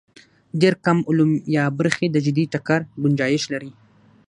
ډېر کم علوم یا برخې د جدي ټکر ګنجایش لري.